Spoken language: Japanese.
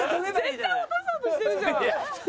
絶対落とそうとしてるじゃん！